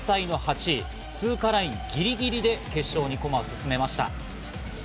通過ラインギリギリで決勝に駒を進めました。